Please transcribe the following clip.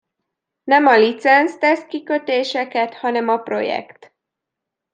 Nem a licensz tesz kikötéseket, hanem a projekt.